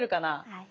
はい。